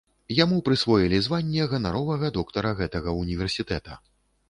Яму прысвоілі званне ганаровага доктара гэтага ўніверсітэта.